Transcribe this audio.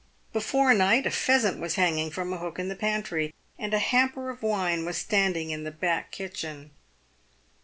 Before night a phea sant was hanging from a hook in the pantry, and a hamper of wine was standing in the back kitchen.